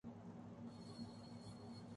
London جیسے شہرمیں بیشمار تھیٹر ہیں‘نائٹ کلب ہیں۔